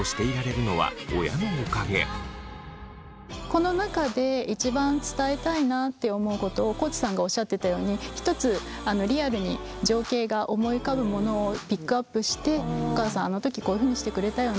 この中で一番伝えたいなって思うことを地さんがおっしゃってたように１つリアルに情景が思い浮かぶものをピックアップしてお母さんあの時こういうふうにしてくれたよね